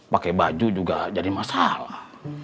pakai baju juga jadi masalah